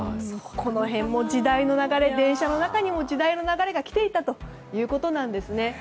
この辺も電車の中にも時代の流れが来ていたということなんですね。